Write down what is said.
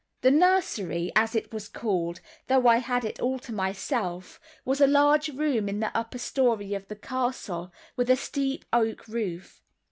The nursery, as it was called, though I had it all to myself, was a large room in the upper story of the castle, with a steep oak roof.